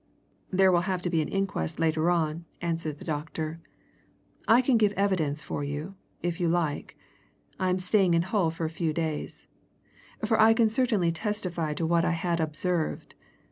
"There will have to be an inquest later on," answered the doctor. "I can give evidence for you, if you like I am staying in Hull for a few days for I can certainly testify to what I had observed.